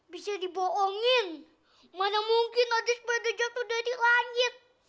bisa diboongin mana mungkin ada sepeda jatuh dari langit